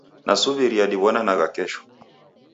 Nasuw'iria diw'onanagha kesho.